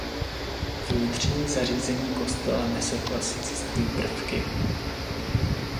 Vnitřní zařízení kostela nese klasicistní prvky.